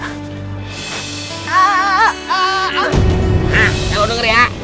hah kalau denger ya